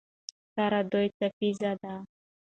سره دوه څپیزه ده.